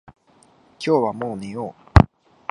今日はもう寝よう。